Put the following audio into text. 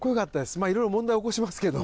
まあいろいろ問題起こしますけど。